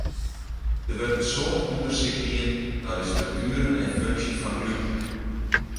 Der wurdt in soad ûndersyk dien nei de struktueren en funksje fan gluten.